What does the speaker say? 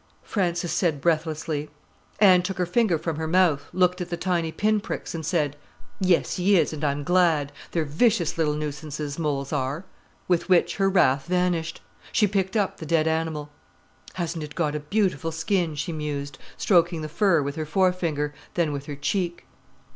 Frances said breathlessly. Anne took her finger from her mouth, looked at the tiny pinpricks, and said: "Yes, he is, and I'm glad. They're vicious little nuisances, moles are." With which her wrath vanished. She picked up the dead animal. "Hasn't it got a beautiful skin," she mused, stroking the fur with her forefinger, then with her cheek.